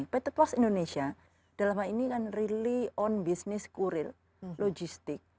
pt pos indonesia dalam hal ini kan really on bisnis kurir logistik